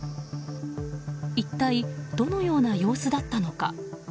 一体、どのような様子だったのか。